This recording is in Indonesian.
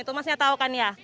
itu masnya tahu kan ya